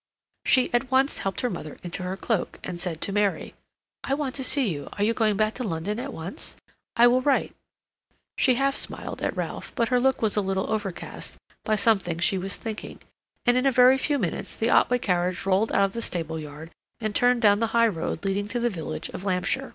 She at once helped her mother into her cloak, and said to Mary: "I want to see you. Are you going back to London at once? I will write." She half smiled at Ralph, but her look was a little overcast by something she was thinking, and in a very few minutes the Otway carriage rolled out of the stable yard and turned down the high road leading to the village of Lampsher.